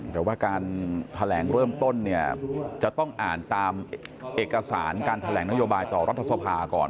แต่ว่าการแถลงเริ่มต้นเนี่ยจะต้องอ่านตามเอกสารการแถลงนโยบายต่อรัฐสภาก่อน